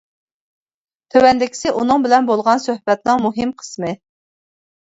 تۆۋەندىكىسى ئۇنىڭ بىلەن بولغان سۆھبەتنىڭ مۇھىم قىسمى.